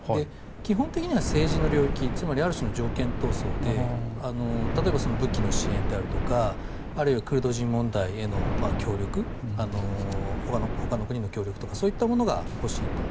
基本的には政治の領域ある種の条件闘争で例えば武器の支援であるとかあるいはクルド人部隊への協力他の国の協力とかそういったものがほしいと。